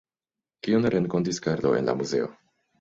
Kiun renkontis Karlo en la muzeo?